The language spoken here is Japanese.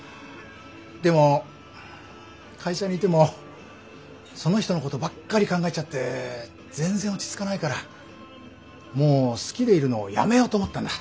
でも会社にいてもその人のことばっかり考えちゃって全然落ち着かないからもう好きでいるのをやめようと思ったんだ。